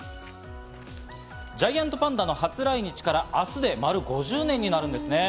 ジャイアントパンダの初来日から明日で丸５０年になるんですね。